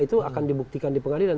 itu akan dibuktikan di pengadilan